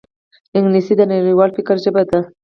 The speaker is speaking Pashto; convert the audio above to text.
انګلیسي د نړیوال فکر ژبه ده